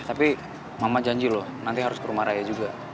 tapi mama janji loh nanti harus ke rumah raya juga